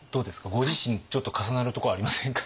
ご自身ちょっと重なるとこありませんか？